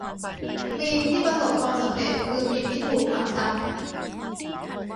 - มีมที่ประสบความสำเร็จ คือมีมที่ถูกทำซ้ำ